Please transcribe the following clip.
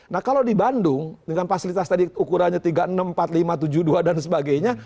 nah kalau di bandung dengan fasilitas tadi ukurannya tiga puluh enam empat puluh lima tujuh puluh dua dan sebagainya